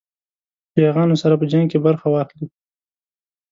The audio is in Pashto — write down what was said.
یاغیانو سره په جنګ کې برخه واخلي.